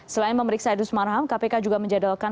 selain memeriksa idrus marham kpk juga menjadwalkan